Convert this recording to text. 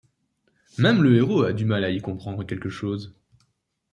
Même le héros a du mal à y comprendre quelque chose.